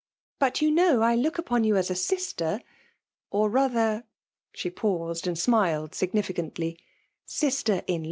But you laaam I look upon yoa aa a sirtery— <« rather——'* she paused, and smiled significantly, — ^'sister in /at9."